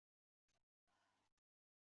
黄晋发是美湫省平大县人。